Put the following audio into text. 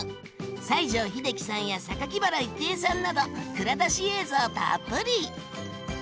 西城秀樹さんや原郁恵さんなど蔵出し映像たっぷり！